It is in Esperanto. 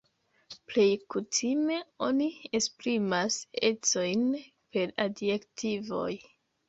Plej kutime oni esprimas ecojn per adjektivoj.